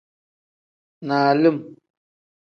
Nalim.